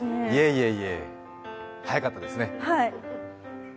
いえいえ早かったですね。